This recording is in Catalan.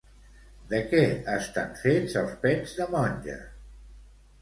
De què estan fets els pets de monja?